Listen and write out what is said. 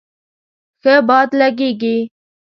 ښه باد لږیږی